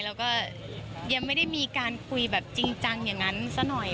เราก็ยังไม่ได้มีการคุยจริงจังอย่างนั้นสักหน่อย